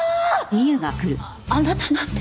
あなたなんで？